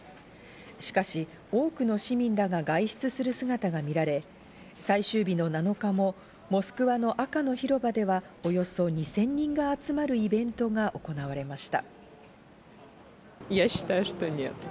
しかし、多くの市民らが外出する姿が見られ、最終日の７日もモスクワの赤の広場では、およそ２０００人が集まるイベントが行われました。